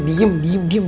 diam diam diam